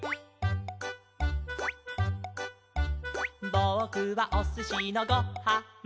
「ぼくはおすしのご・は・ん」